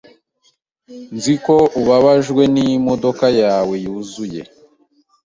Nzi ko ubabajwe n’imodoka yawe yuzuye,